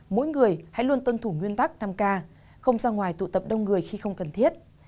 mỗi người hãy luôn tuân thủ nguyên tắc năm k không ra ngoài tụ tập đông người khi không cần thiết